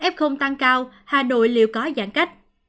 f tăng cao hà nội liệu có giãn cách